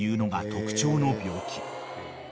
特徴の病気］